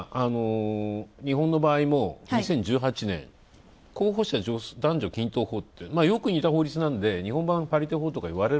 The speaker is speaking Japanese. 日本の場合も２０１８年候補者、男女平等均等法とよく似た法律なんで日本版の。